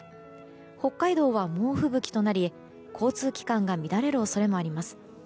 北海道は猛吹雪となり交通機関が乱れる恐れもあります。